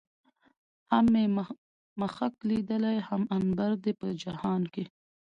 هم مې مښک ليدلي، هم عنبر دي په جهان کې